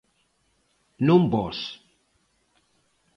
Non vós.